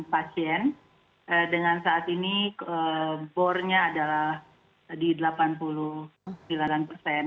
pasien dengan saat ini bornya adalah di delapan puluh sembilan persen